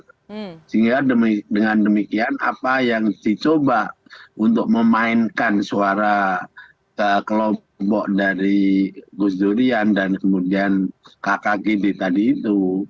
sehingga dengan demikian apa yang dicoba untuk memainkan suara kelompok dari gus durian dan kemudian kakak gd tadi itu